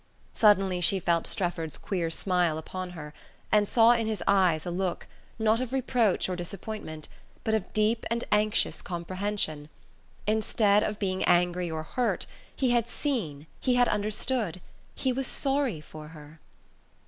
Suddenly she felt Strefford's queer smile upon her, and saw in his eyes a look, not of reproach or disappointment, but of deep and anxious comprehension. Instead of being angry or hurt, he had seen, he had understood, he was sorry for her!